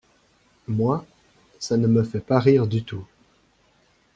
Moi, ça ne me fait pas rire du tout.